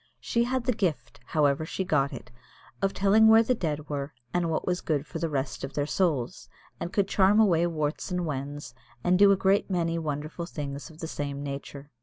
She had the gift, however she got it, of telling where the dead were, and what was good for the rest of their souls; and could charm away warts and wens, and do a great many wonderful things of the same nature.